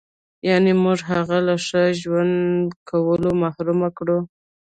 یعنې موږ هغه له ښه ژوند کولو محروم کړو.